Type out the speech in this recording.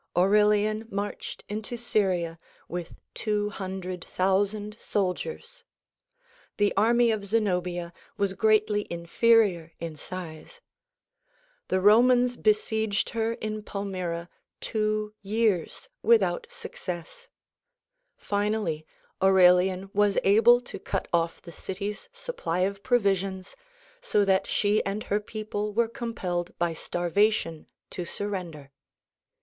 Aurelian marched into Syria with two hundred thousand soldiers. The array of Zenobia was greatly inferior in size. The Romans besieged her in Palmyra two years without success. Finally Aurelian was able to cut off the city's supply of provisions so that she and her people were com pelled by starvation to surrender.